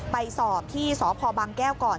ไปสอบที่สพบางแก้วก่อน